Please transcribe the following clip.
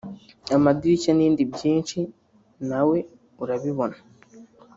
amadirishya n’ibindi byinshi nawe urabibona